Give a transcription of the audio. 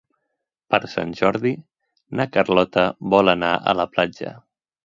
Per Sant Jordi na Carlota vol anar a la platja.